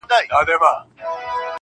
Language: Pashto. له هنداري څه بېــخاره دى لوېـــدلى.